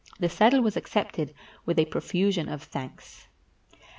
The saddle was accepted with a profusion of thanks.